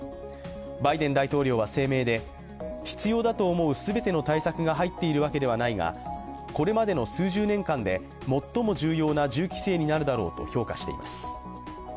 バイデン大統領は声明で、必要だと思う全ての対策が入っているわけではないが、これまでの数十年間で最も重要な銃規制になるだろうと評価しています。